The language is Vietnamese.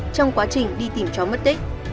trong quá trình đi tìm chó mất tích